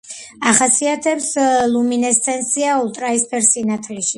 ახასიათებს ლუმინესცენცია ულტრაიისფერ სინათლეში.